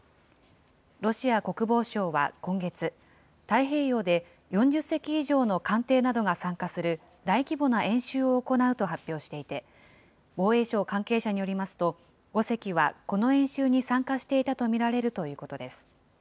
ロシア国防省は今月、太平洋で４０隻以上の艦艇などが参加する大規模な演習を行うと発表していて、防衛省関係者によりますと、５隻はこの演習に参加していたと見られるということです。